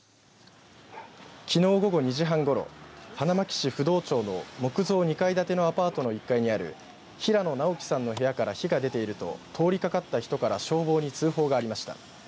きのう午後２時半ごろ花巻市不動町の木造２階建てのアパートの１階にある平野直樹さんの部屋から火が出ていると通りかかった人から消防に通報がありました。